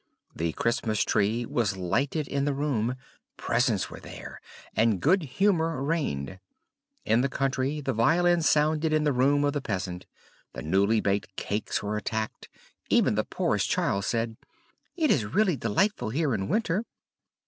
The Christmas tree was lighted in the room; presents were there, and good humor reigned. In the country the violin sounded in the room of the peasant; the newly baked cakes were attacked; even the poorest child said, "It is really delightful here in winter!"